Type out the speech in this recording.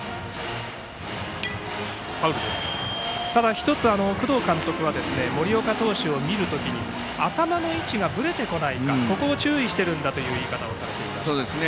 １つ、工藤監督は森岡投手を見る時に頭の位置がぶれてこないかここを注意しているんだという言い方をしていました。